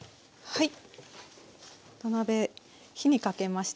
はい。